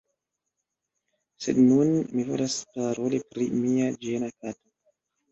Sed nun, mi volas paroli pri mia ĝena kato.